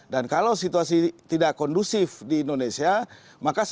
dan kalau situasi tidak kondusif di indonesia